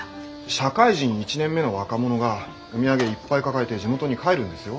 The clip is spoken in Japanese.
社会人１年目の若者がお土産いっぱい抱えて地元に帰るんですよ？